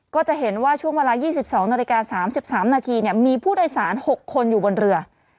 ก็จะเห็นว่าช่วงเวลา๒๒นาฬิกา๓๓นาทีมีผู้โดยสาร๖คนอยู่บนเรือ